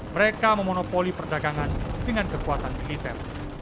mereka memonopoli perdagangan dengan kekuatan militer